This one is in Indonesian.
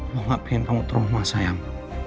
papa gak pengen kamu turun rumah sayang